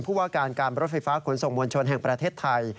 ผู้ว่าการการรถไฟฟ้าขนส่งมวลชนแห่งประเทศไทย